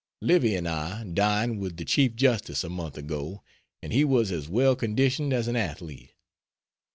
Livy and I dined with the Chief Justice a month ago and he was as well conditioned as an athlete.